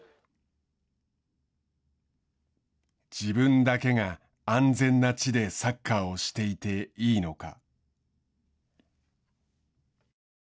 自分だけが安全な地でサッカーをしていていいのか。